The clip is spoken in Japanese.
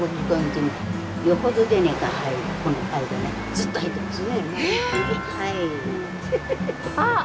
ずっと入ってます。